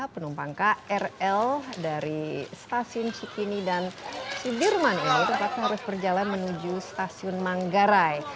penumpang krl dari stasiun cikini dan sudirman ini terpaksa harus berjalan menuju stasiun manggarai